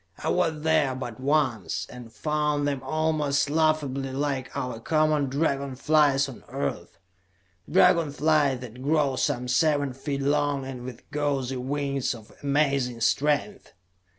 I was there but once, and found them almost laughably like our common dragon flies on Earth; dragon flies that grow some seven feet long, and with gauzy wings of amazing strength.